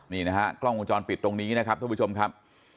นี่นะฮะกล้องวงจรปิดตรงนี้นะครับท่านผู้ชมครับ